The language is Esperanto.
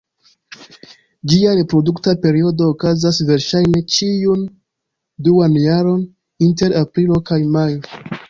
Ĝia reprodukta periodo okazas verŝajne ĉiun duan jaron, inter aprilo kaj majo.